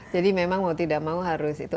jadi memang mau tidak mau harus itu